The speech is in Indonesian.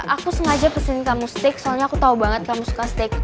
aku sengaja pesan kamu steak soalnya aku tahu banget kamu suka steak